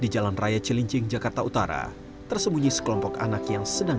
di jalan raya cilincing jakarta utara tersembunyi sekelompok anak yang sedang